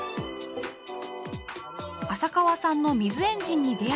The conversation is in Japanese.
浅川さんの水エンジンに出会い